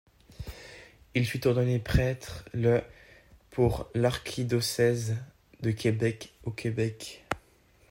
Il fut ordonné prêtre le pour l'archidiocèse de Québec au Québec.